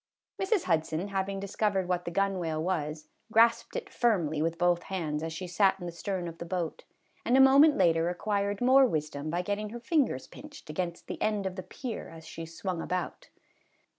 Mrs. Hudson having discovered what the gunwale was, grasped it firmly with both hands as she sat in the stern of the boat, and a moment later acquired more wisdom by getting her fingers pinched against the end of the pier as she swung about.